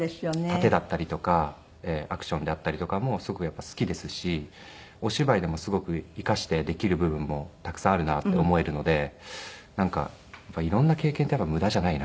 殺陣だったりとかアクションであったりとかもすごく好きですしお芝居でもすごく生かしてできる部分もたくさんあるなって思えるのでなんか色んな経験ってやっぱり無駄じゃないなと。